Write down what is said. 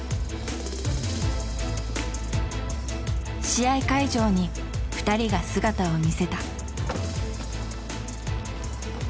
試合会場に２人が姿を見せた。